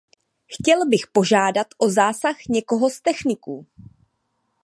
Chtěl bych požádat o zásah někoho z techniků.